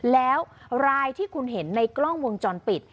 แล้วรายที่คุณเห็นในกล้องวงจรปิด